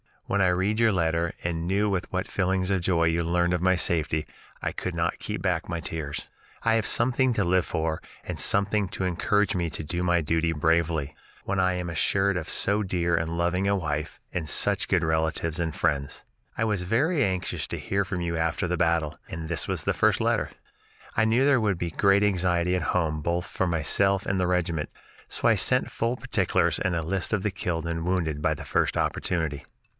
When I read your letter and knew with what feelings of joy you learned of my safety, I could not keep back the tears. I have something to live for and something to encourage me to do my duty bravely, when I am assured of so dear and loving a wife and such good relatives and friends. I was very anxious to hear from you after the battle, and this was the first letter. I knew there would be great anxiety at home both for myself and the regiment, so I sent full particulars and list of the killed and wounded by the first opportunity."